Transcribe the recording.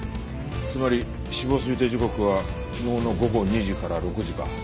つまり死亡推定時刻は昨日の午後２時から６時か。